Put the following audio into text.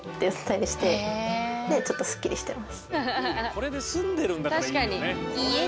これで済んでるんだからいいよね。